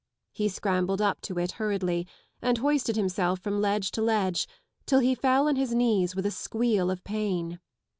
He scrambled up to H hurriedly and Hoisted himself from ledge to ledge till he fell on his knees with a squeal of pain.